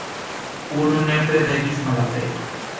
Unu nepre devis malaperi."".